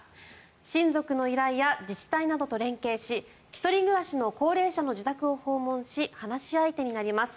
親族の依頼や自治体などと連携し１人暮らしの高齢者の自宅を訪問し話し相手になります。